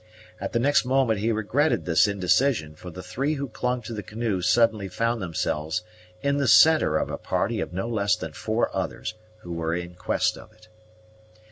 At the next moment he regretted this indecision, for the three who clung to the canoe suddenly found themselves in the centre of a party of no less than four others who were in quest of it.